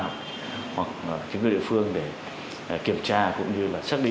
hoặc chính quyền địa phương để kiểm tra cũng như là xác định